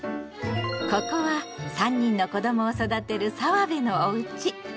ここは３人の子どもを育てる澤部のおうち。